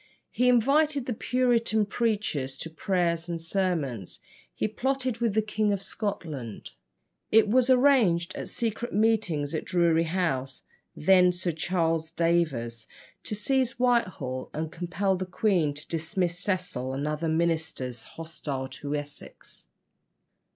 He invited the Puritan preachers to prayers and sermons; he plotted with the King of Scotland. It was arranged at secret meetings at Drury House (then Sir Charles Daver's) to seize Whitehall and compel the queen to dismiss Cecil and other ministers hostile to Essex.